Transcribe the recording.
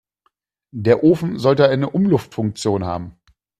Der Ofen sollte eine Umluftfunktion haben.